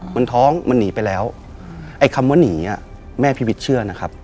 มันท้องมันหนีไปแล้วไอ้คำว่าหนีอ่ะแม่พีวิทย์เชื่อนะครับ